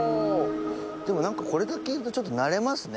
でも何かこれだけいるとちょっと慣れますね。